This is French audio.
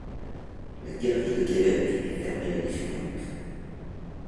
La galerie de Québec est fermée l'année suivante.